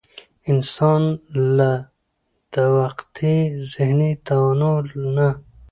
انسان له د وقتي ذهني تناو نه